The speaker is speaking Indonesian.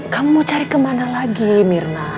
kamu mau cari kemana lagi mirna